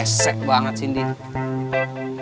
reset banget sih ini dia